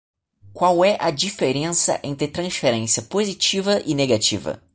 Qual é a diferença entre transferência positiva e negativa?